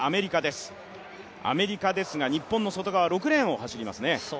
アメリカですが、日本の外側６レーンを走りますね。